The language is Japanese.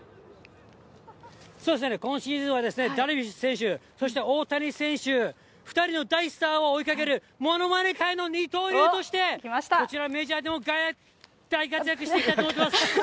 そうですね、今シーズンはですね、ダルビッシュ選手、そして大谷選手、２人の大スターを追いかけるものまね界の二刀流として、こちら、メジャーでも大活躍していきたいと思ってます。